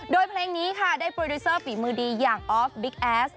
โดยเพลงนี้ค่ะได้โปรดิวเซอร์ฝีมือดีอย่างออฟบิ๊กแอส